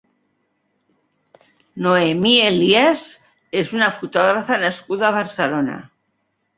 Noemí Elias és una fotògrafa nascuda a Barcelona.